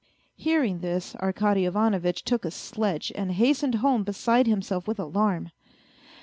Hearing this Arkady Ivanovitch took a sledge and hastened home beside himself with alarm.